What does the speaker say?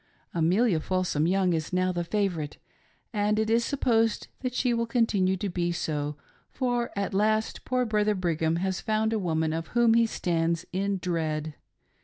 ] Amelia Folsorji Young is now the favorite, and it is sup posed that she will continue to be so, for at last poor Brother Brigham has found a woman of whom he stands in dread.